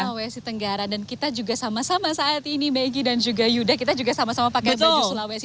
sulawesi tenggara dan kita juga sama sama saat ini maggie dan juga yuda kita juga sama sama pakai baju sulawesi